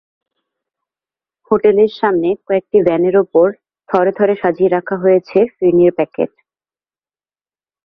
হোটেলের সামনে কয়েকটি ভ্যানের ওপর থরে থরে সাজিয়ে রাখা হয়েছে ফিরনির প্যাকেট।